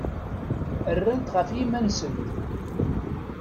Rrant ɣef yiman-nsent.